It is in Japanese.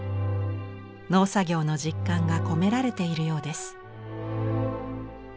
農作業の実感が込められているようです。